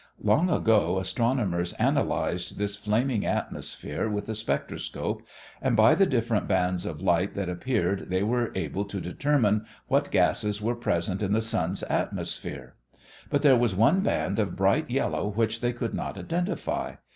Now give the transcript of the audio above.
Long ago, astronomers analyzed this flaming atmosphere with the spectroscope, and by the different bands of light that appeared they were able to determine what gases were present in the sun's atmosphere. But there was one band of bright yellow which they could not identify.